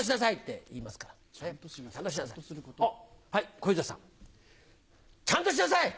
小遊三さん。ちゃんとしなさい！